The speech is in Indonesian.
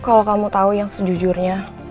kalau kamu tahu yang sejujurnya